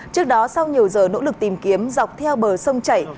trước đó sau nhiều giờ nỗ lực tìm kiếm dọc theo bờ sông chảy